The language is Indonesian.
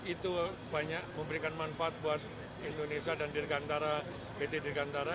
itu banyak memberikan manfaat buat indonesia dan dirgantara